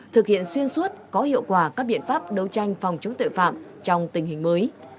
thực hiện xuyên suốt có hiệu quả các biện pháp đấu tranh phòng chống tội phạm trong tình hình mới